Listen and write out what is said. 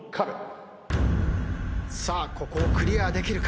さあここをクリアできるか。